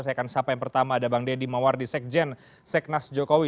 saya akan sapa yang pertama ada bang deddy mawar di sekjen seknas jokowi